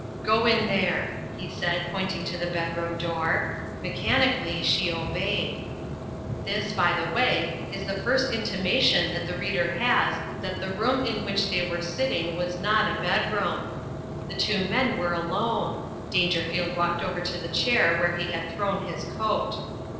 'Go in there,' he said, pointing to the bedroom door. Mechanically she obeyed." This, by the way, is the first intimation that the reader has that the room in which they were sitting was not a bedroom. The two men were alone. Dangerfield walked over to the chair where he had thrown his coat.